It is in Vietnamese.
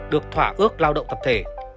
được thỏa ước lao động tập thể